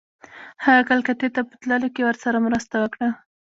هغه کلکتې ته په تللو کې ورسره مرسته وکړه.